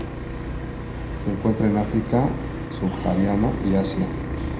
Se encuentra en África subsahariana y Asia.